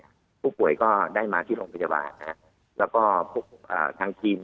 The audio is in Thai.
ก็บอกว่าถ้ามีอะไร